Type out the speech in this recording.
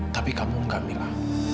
tapi kamu enggak mila